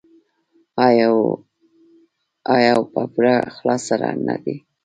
آیا او په پوره اخلاص سره نه دی؟